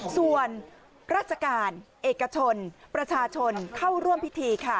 ส่วนราชการเอกชนประชาชนเข้าร่วมพิธีค่ะ